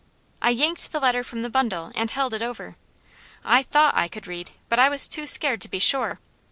I yanked the letter from the bundle, and held it over. I THOUGHT I could read, but I was too scared to be sure.